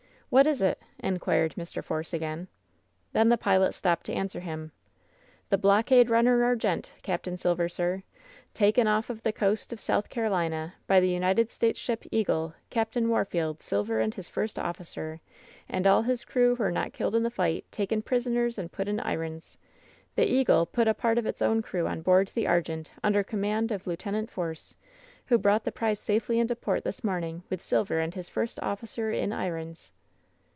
"What is it?" inquired Mr. Force again. Then the pilot stopped to answer him. ^'The blockade runner Argente, Capt. Silver, sir! Taken off the coast of South Carolina, by the United States ship Eagle, Capt. Warfield. Silver and his first officer, and all his crew who were not killed in the fight, taken prisoners and put in irons. The Eagle put a part of its own crew on board the Argente, under com mand of Lieut. Force, who brought the prize safely into port this morning, with Silver and his first officer in irons."